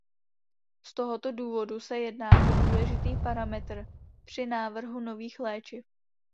Z tohoto důvodu se jedná o důležitý parametr při návrhu nových léčiv.